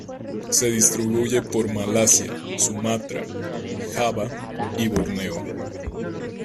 Se distribuye por Malasia, Sumatra, Java y Borneo.